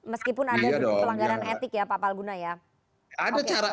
meskipun anda melakukan pelanggaran etik ya pak palguna ya